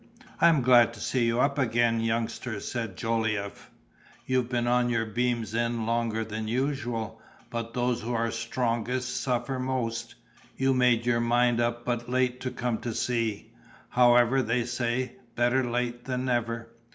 "I'm glad to see you up again, youngster," said Jolliffe; "you've been on your beam ends longer than usual, but those who are strongest suffer most—you made your mind up but late to come to sea. However, they say, 'Better late than never.